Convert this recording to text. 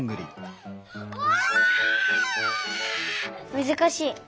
むずかしい。